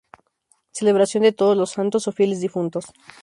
Celebración de Todos los Santos o Fieles Difuntos.